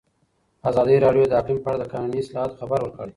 ازادي راډیو د اقلیم په اړه د قانوني اصلاحاتو خبر ورکړی.